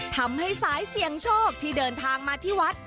ทำให้สายเสี่ยงโชคที่เดินทางมาที่วัด